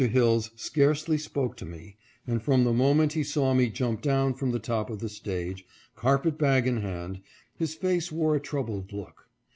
Hilles scarcely spoke to me, and, from the moment he saw me jump down from the top of the stage, carpet bag in hand, his face wore a troubled look.